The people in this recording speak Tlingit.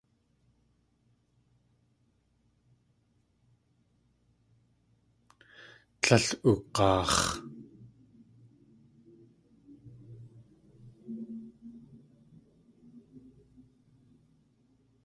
Tlél ug̲aax̲.